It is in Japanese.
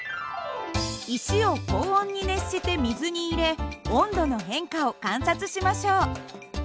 石を高温に熱して水に入れ温度の変化を観察しましょう。